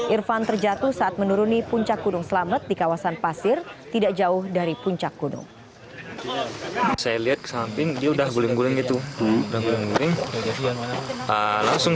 irfan terjatuh saat menuruni puncak gunung selamet di kawasan pasir tidak jauh dari puncak gunung